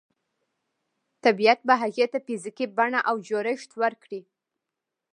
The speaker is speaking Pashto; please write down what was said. طبیعت به هغې ته فزیکي بڼه او جوړښت ورکړي